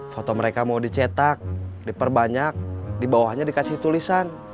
foto mereka mau dicetak diperbanyak di bawahnya dikasih tulisan